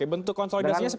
apa tuore di bawah mana